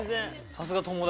さすが友達。